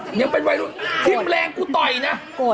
ชิมแรงกูต่อยนะโกรธด้วยนั่นคิดแรงกูต่อยน่ะนั่น